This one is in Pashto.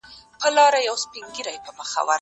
قلمان د زده کوونکي له خوا پاک کيږي!!